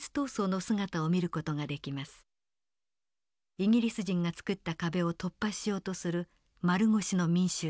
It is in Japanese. イギリス人が作った壁を突破しようとする丸腰の民衆。